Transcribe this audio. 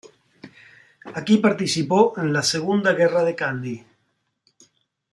Aquí participó en las Segunda Guerra de Kandy.